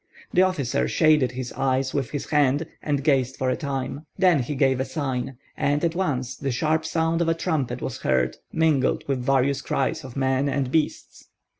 The officer shaded his eyes with his hand and gazed for a time; then he gave a sign, and at once the sharp sound of a trumpet was heard, mingled with various cries of men and beasts.